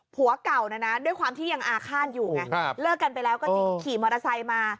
ผัวเก่านะนะด้วยความที่ยังอาฆาตอยู่ไงเลิกกันไปแล้วก็จริงขี่มอเตอร์ไซค์มา